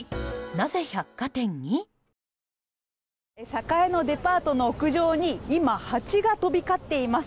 栄のデパートの屋上に今、ハチが飛び交っています。